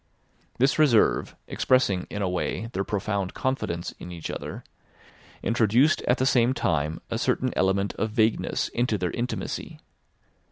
This reserve, expressing, in a way, their profound confidence in each other, introduced at the same time a certain element of vagueness into their intimacy.